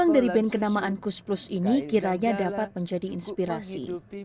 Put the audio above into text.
dan kenamaan kusplus ini kiranya dapat menjadi inspirasi